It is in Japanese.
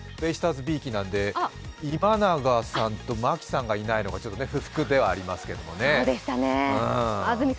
私はベイスターズびいきなので、今永さんがいないのが、ちょっと不服ではありますけどね。